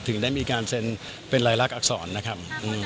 ถึงได้มีการเป็นรายลาคอักษรนะครับ